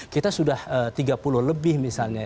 kita sudah tiga puluh lebih misalnya